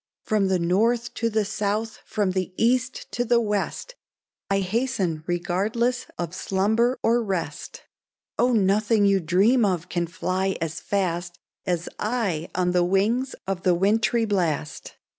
From the north to the south, from the east to the west, I hasten regardless of slumber or rest ; Oh, nothing you dream of can fly as fast As I on the wings of the wintry blast